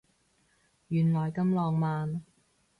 原來咁浪漫